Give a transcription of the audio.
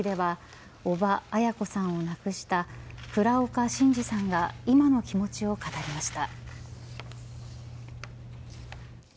犠牲者追悼式では伯母のアヤ子さんを亡くした倉岡伸至さんが今の気持ちを語りました。